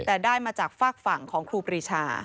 แต่ได้มาจากฝากฝั่งของครูปรีชา